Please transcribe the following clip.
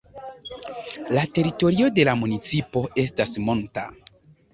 La teritorio de la municipo estas monta.